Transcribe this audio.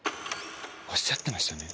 おっしゃってましたね